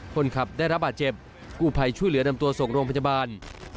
คนขับได้รับบาดเจ็บกู้ภัยช่วยเหลือนำตัวส่งโรงพยาบาล